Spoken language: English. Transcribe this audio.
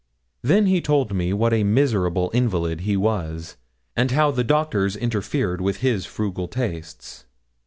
Then he told me what a miserable invalid he was, and how the doctors interfered with his frugal tastes.